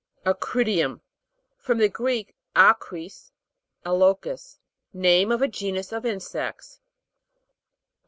ACRY'DIUM. From the Greek, oirts, a locust. Name of a genus of in sects.